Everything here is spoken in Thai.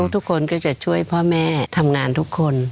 แถวเขาจะช่วยพ่อแม่ทำงานทุกคน